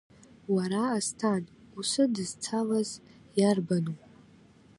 Уара, Асҭан, усыдызцалаз иарбану?!